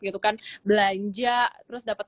gitu kan belanja terus dapat